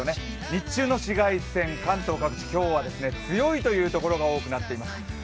日中の紫外線、関東各地、今日は強いという所が多くなっています。